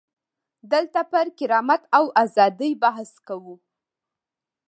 دلته پر کرامت او ازادۍ بحث کوو.